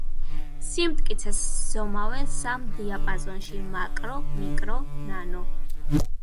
სიმტკიცეს ზომავენ სამ დიაპაზონში: მაკრო, მიკრო, ნანო.